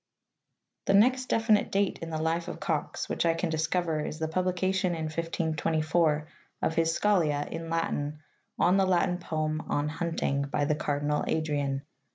The next definite date in the life of Cox which I can discover is the publication in 1524 of his scholia, in Latin, on the Latin poem on Hunting by the Cardinal Adrian.'